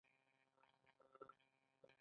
آیا لکه دوه ورونه نه وي؟